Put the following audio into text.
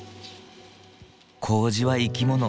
麹は生き物。